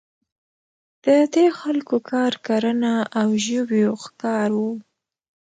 د دې خلکو کار کرنه او ژویو ښکار وو.